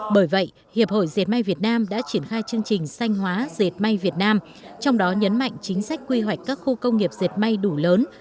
bởi vậy hiệp hội diệt may việt nam đã triển khai chương trình sanh hóa dệt may việt nam trong đó nhấn mạnh chính sách quy hoạch các khu công nghiệp dệt may đủ lớn